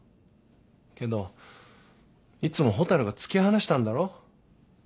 けどいつも蛍が突き放したんだろ。